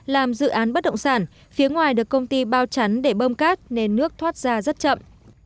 làm dự án bất động sản phía ngoài được công ty bao chắn để bơm cát nên nước thoát ra rất chậm